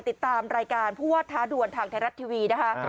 ติดตามรายการผู้ว่าท้าด่วนทางไทยรัฐทีวีนะคะ